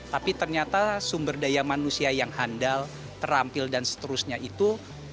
tapi ternyata sumber daya manusia yang handal terampil dan seterusnya itu